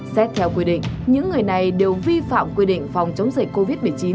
xét theo quy định những người này đều vi phạm quy định phòng chống dịch covid một mươi chín